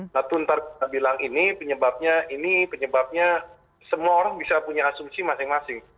nah tuntar kita bilang ini penyebabnya ini penyebabnya semua orang bisa punya asumsi masing masing